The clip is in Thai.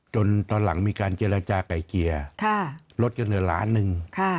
ตอนหลังมีการเจรจาไก่เกลี่ยลดจนเหลือล้านหนึ่ง